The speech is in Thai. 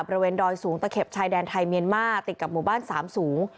บริเวณดอยสูงตะเข็บชายแดนไทยเมียนมาติดกับหมู่บ้านสามสูง